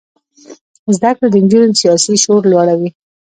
زده کړه د نجونو سیاسي شعور لوړوي.